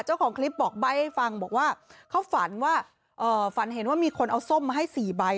เจ้าของคลิปบอกใบ้ให้ฟังบอกว่าเขาฝันว่าฝันเห็นว่ามีคนเอาส้มมาให้๔ใบ